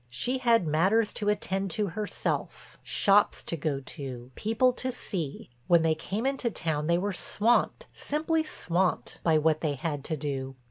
She had matters to attend to herself, shops to go to, people to see; when they came into town they were swamped, simply swamped, by what they had to do.